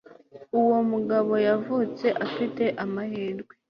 uwo mugabo yavutse afite amahirwe